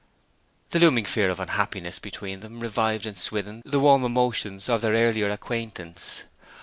The looming fear of unhappiness between them revived in Swithin the warm emotions of their earlier acquaintance.